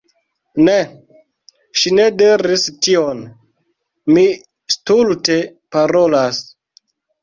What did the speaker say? Ne, ŝi ne diris tion, mi stulte parolas.